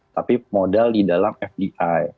tapi modal di dalam fdi